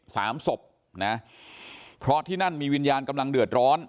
สามศพนะเพราะที่นั่นมีวิญญาณกำลังเดือดร้อน